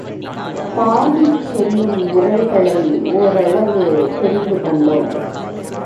பாடிச் செல்லும் முறைகளை ஒரளவு தெரிந்து கொண்டோம்.